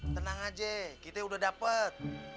tenang aja kita udah dapat